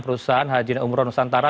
perusahaan hajin umroh nusantara